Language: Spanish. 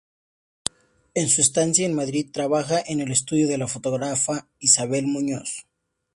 En su estancia en Madrid trabaja en el Estudio de la fotógrafa Isabel Muñoz.